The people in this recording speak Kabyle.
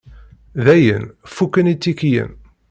Dayen, fukken itikiyen.